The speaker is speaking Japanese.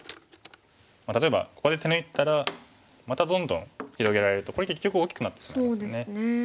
例えばここで手抜いたらまたどんどん広げられるとこれ結局大きくなってしまいますよね。